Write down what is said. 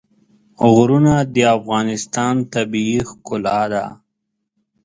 غرونه د افغانستان طبیعي ښکلا ده.